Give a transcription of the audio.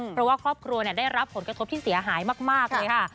เพราะว่าครอบครัวได้รับผลกระทบที่เสียหายมากเลยค่ะ